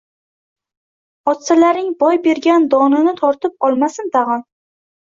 Otsalaring boy bergan donini tortib olmasin tag‘in!